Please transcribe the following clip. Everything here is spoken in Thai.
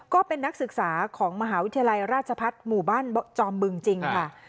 ก็เป็นนักศึกษาของมหาวิทยาลัยราชพัฒน์หมู่บ้านจอมบึงจริงค่ะ